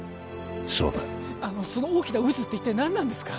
そうだあのその大きな渦って一体何なんですか？